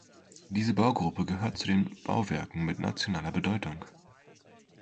Diese Baugruppe gehört zu den Bauwerken mit nationaler Bedeutung.